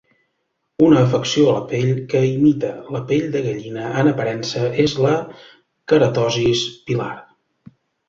Una afecció de la pell que imita la pell de gallina en aparença és la queratosis pilar.